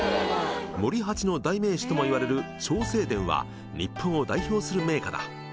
森八の代名詞ともいわれる長生殿は日本を代表する銘菓だ。